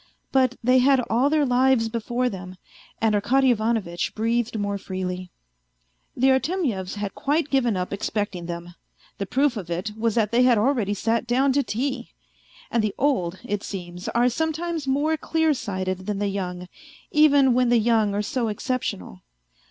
But they had all their lives before them, and Arkady Ivanovitch breathed more freely. The Artemyevs had quite given up expecting them. The proof of it was that they had already sat down to tea ! And the old, it seems, are sometimes more clear sighted than the young, even when the young are so exceptional.